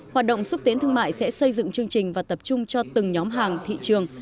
hoạt động xúc tiến thương mại sẽ xây dựng chương trình và tập trung cho từng nhóm hàng thị trường